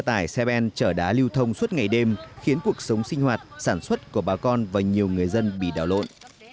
xe tải xe ben chở đá lưu thông suốt ngày đêm khiến cuộc sống sinh hoạt sản xuất của bà con và nhiều người dân bị đảo lộn